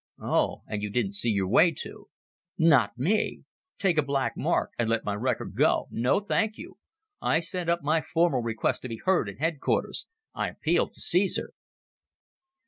"Oh! And you didn't see your way to " "Not me. Take a black mark, and let my record go. No, thank you. I sent up my formal request to be heard at headquarters. I appealed to Cæsar."